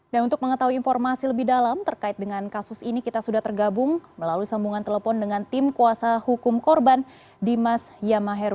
dan untuk mengetahui informasi lebih dalam terkait dengan kasus ini kita sudah tergabung melalui sambungan telepon dengan tim kuasa hukum korban dimas yamahir